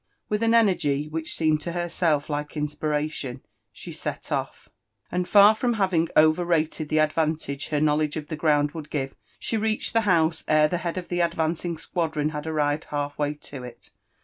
With an energy ^l\Kh $ee(ncd (ohersplf like iiispiratiou she. set eV^ and far from having overrated the advaala^e her koawledge of ibt^ ^rouod H^'ovild give, she reached l,he hcuisc ere the head of the. ^ vane * ing squadron had arrived half way to it.